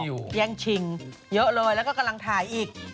เยี่ยงชิงเยอะเลยแล้วก็ก่อนละทายอีก